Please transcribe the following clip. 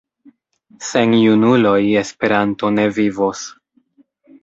Sen junuloj Esperanto ne vivos.